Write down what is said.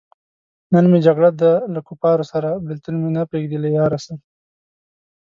نن مې جګړه ده له کفاره سره- بېلتون مې نه پریېږدی له یاره سره